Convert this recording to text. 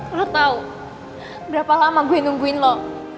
lo tahu berapa lama gue nungguin lo